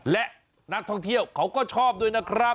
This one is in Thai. และนักท่องเที่ยวเขาก็ชอบด้วยนะครับ